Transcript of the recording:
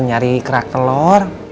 nyari kerak telor